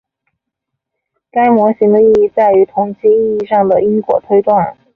该模型的意义在于统计意义上的因果推断。